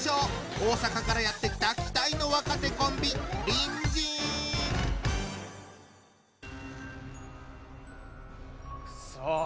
大阪からやって来た期待の若手コンビくそ